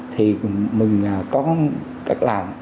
thì mình có cách làm